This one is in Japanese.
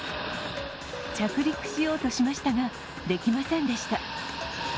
着陸しようとしましたが、できませんでした。